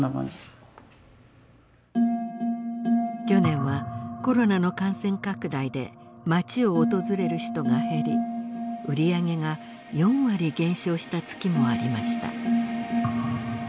去年はコロナの感染拡大で町を訪れる人が減り売り上げが４割減少した月もありました。